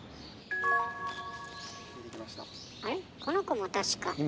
この子も確か。